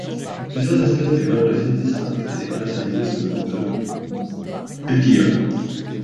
Plusieurs espèces de gommes-résines distinctes étaient commercialisées sous le nom de bdellium.